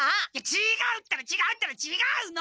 ちがうったらちがうったらちがうの！